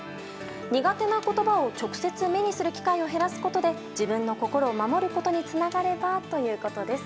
苦手な言葉を直接目にする機会を減らすことで自分の心を守ることにつながればということです。